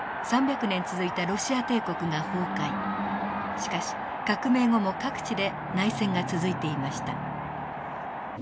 しかし革命後も各地で内戦が続いていました。